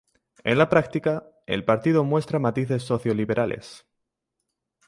En la práctica, el partido muestra matices socio liberales.